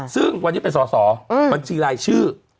ซึ่งวันนี้เป็นสอสอบัญชีรายชื่อ